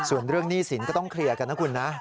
ส่วนเรื่องหนี้สินก็ต้องเคลียร์กันนะคุณนะ